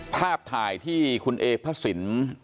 ภาพถ่ายที่คุณเอพระสิน